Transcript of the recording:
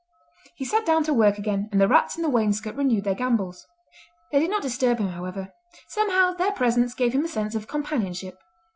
He sat down to work again, and the rats in the wainscot renewed their gambols. They did not disturb him, however; somehow their presence gave him a sense of companionship.